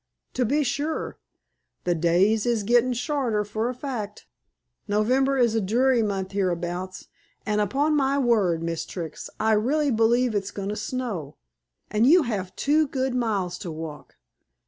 "To be sure. The days is gettin' shorter, for a fact. November is a dreary month hereabouts; and, upon my word, Miss Trix, I really believe it's goin' to snow. And you have two good miles to walk."